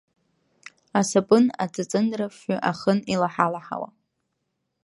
Асапын аҵыҵындрафҩы ахын илаҳалаҳауа.